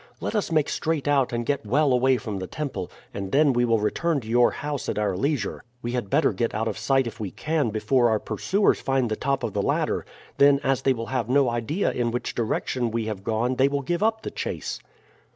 Let us make straight out and get well away from the temple, and then we will return to your house at our leisure. We had better get out of sight if we can before our pursuers find the top of the ladder, then as they will have no idea in which direction we have gone they will give up the chase."